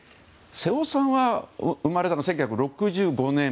瀬尾さんは、生まれたのは１９６５年。